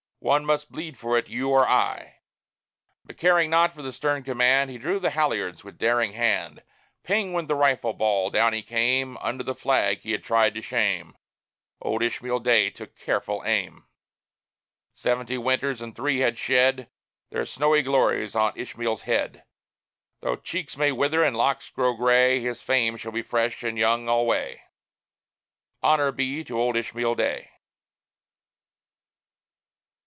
One must bleed for it you or I." But caring not for the stern command, He drew the halliards with daring hand; Ping! went the rifle ball down he came, Under the flag he had tried to shame Old Ishmael Day took careful aim! Seventy winters and three had shed Their snowy glories on Ishmael's head. Though cheeks may wither and locks grow gray, His fame shall be fresh and young alway Honor be to old Ishmael Day!